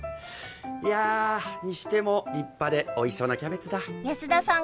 いやにしても立派でおいしそうなキャベツだ安田さん